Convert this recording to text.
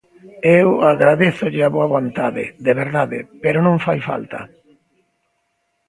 Eu agradézolle a boa vontade, de verdade, pero non fai falta.